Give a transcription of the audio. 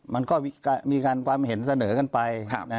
มันก็มีการความเห็นเสนอกันไป